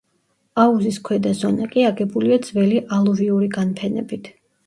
აუზის ქვედა ზონა კი აგებულია ძველი ალუვიური განფენებით.